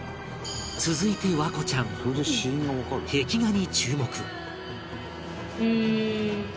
続いて環子ちゃん壁画に注目